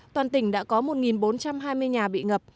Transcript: toàn tỉnh đã có một bốn trăm hai mươi nhà bị ngập